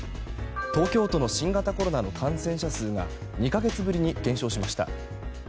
東京都の新型コロナの感染者数が２か月ぶりに減少しました。